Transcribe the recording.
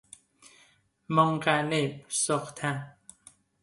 منقلب ساختن